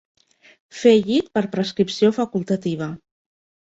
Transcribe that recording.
Fer llit per prescripció facultativa.